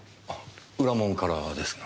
裏門からですが。